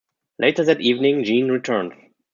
Later that evening, Jean returns.